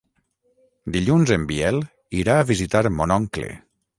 Dilluns en Biel irà a visitar mon oncle.